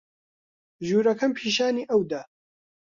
ژوورەکەم پیشانی ئەو دا.